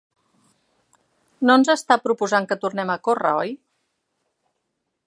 No ens està proposant que tornem a córrer, oi?